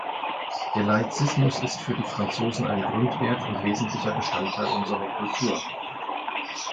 Der Laizismus ist für die Franzosen ein Grundwert und wesentlicher Bestandteil unserer Kultur.